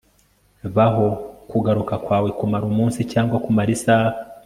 baho kugaruka kwawe, kumara umunsi cyangwa kumara isaha